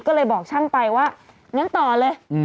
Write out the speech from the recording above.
ก็เลยบอกช่างไปว่างั้นต่อเลย